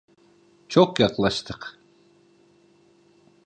Çok yaklaştık.